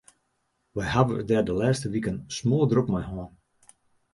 Wy hawwe it der de lêste wiken smoardrok mei hân.